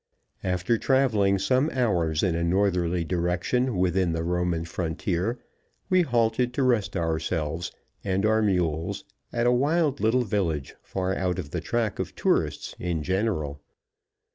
After traveling some hours in a northerly direction within the Roman frontier, we halted to rest ourselves and our mules at a wild little village far out of the track of tourists in general.